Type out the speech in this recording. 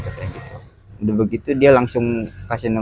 udah begitu dia langsung kasih nongkrong